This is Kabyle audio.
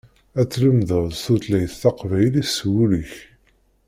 Ad tlemdeḍ tutlyat taqbaylit s wul-ik.